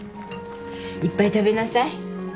いっぱい食べなさい。